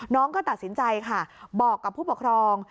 น้องก็ตัดสินใจค่ะบอกกับผู้ปกครอง